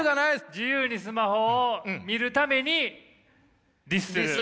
自由にスマホを見るために律する。